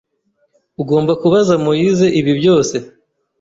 Ugomba kubaza Moise ibi byose.